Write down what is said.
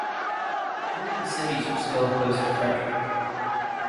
Only the cities were still opposed to Frederick.